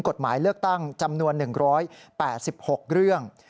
กฎหมายเลือกตั้งจำนวน๑๘๖เรื่อง